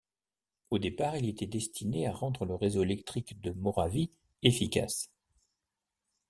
Au départ, il était destiné à rendre le réseau électrique de Moravie efficace.